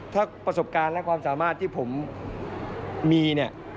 ถ้าประสบการณ์และความสามารถที่ผมมีเนี่ย